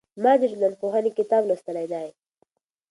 ما د ټولنپوهنې کتاب لوستلی دی.